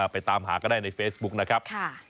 ไปตามหาก็ได้ในเฟซบุ๊คนะครับ